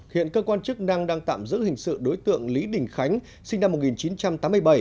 hiện cơ quan chức năng đang tạm giữ hình sự đối tượng lý đình khánh sinh năm một nghìn chín trăm tám mươi bảy